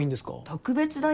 特別だよ？